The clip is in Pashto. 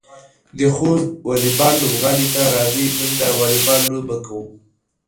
د خوست واليبال لوبغالي ته راځئ، نن د واليبال لوبه کوو.